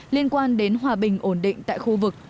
liên quan đến hòa bình ổn định tại khu vực